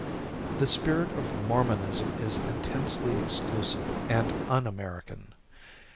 The spirit of Mormonism is intensely exclusive and un American.